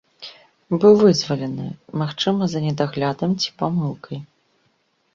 Быў вызвалены, магчыма, за недаглядам ці памылкай.